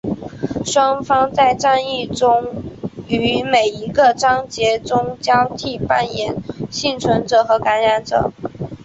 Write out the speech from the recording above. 双方在战役中于每一个章节中交替扮演幸存者和感染者。